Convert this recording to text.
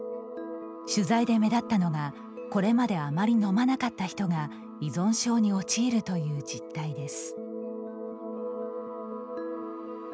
取材で目立ったのがこれまであまり飲まなかった人が依存症に陥るという実態です。